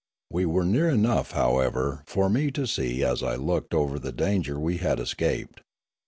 We were near enough, however, for me to see as I looked over the danger we had escaped.